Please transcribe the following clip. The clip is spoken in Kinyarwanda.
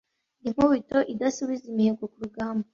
Ndi Nkubito idasubiza imihigo ku rugamba,